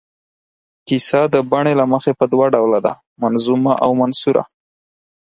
کیسه د بڼې له مخې په دوه ډوله ده، منظومه او منثوره.